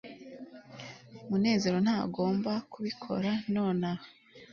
munezero ntagomba kubikora nonaha